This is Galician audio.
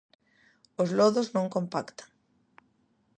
Os lodos non compactan.